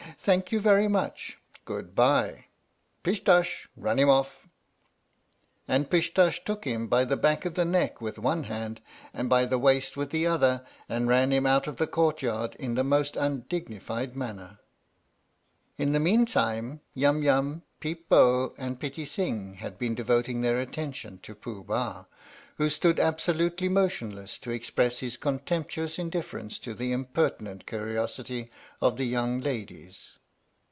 Thank you very much. Good bye. Pish Tush, run him off." And Pish Tush took him by the back of the neck with one hand and by the waist with the other and ran him out of the courtyard in the most undignified manner. 40 "PISH TUSH, RUN HIM OFF" THE STORY OF THE MIKADO In the meantime Yum Yum, Peep Bo and Pitti Sing had been devoting their attention to Pooh Bah, who stood absolutely motionless to express his con temptuous indifference to the impertinent curiosity of the young ladies.